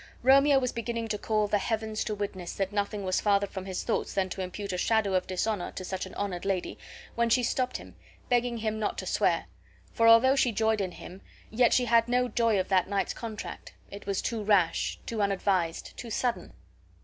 Romeo was beginning to call the heavens to witness that nothing was farther from his thoughts than to impute a shadow of dishonor to such an honored lady, when she stopped him, begging him not to swear; for although she joyed in him, yet she had no joy of that night's contract it was too rash, too unadvised, too sudden.